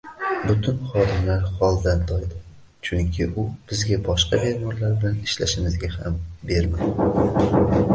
Butun xodimlar holdan toydi, chunki u bizga boshqa bemorlar bilan ishlashimizga ham bermadi